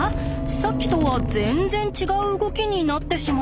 さっきとは全然違う動きになってしまいました。